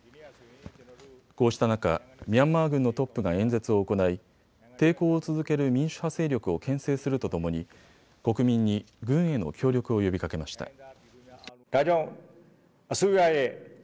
こうした中、ミャンマー軍のトップが演説を行い抵抗を続ける民主派勢力をけん制するとともに国民に軍への協力を呼びかけました。